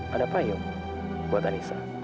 ada payung buat anissa